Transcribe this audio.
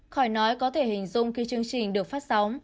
khỏi nói có thể hình dung khi chương trình được phát sóng